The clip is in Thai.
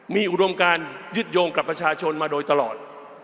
มีอุดมการยึดโยงกับประชาชนมาโดยตลอด